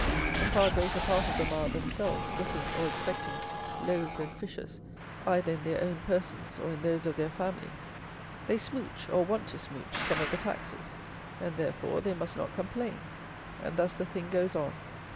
the far greater part of them are, themselves, getting, or expecting, loaves and fishes, either in their own persons, or in those of their family. They smouch, or want to smouch, some of the taxes; and, therefore, they must not complain. And thus the thing goes on.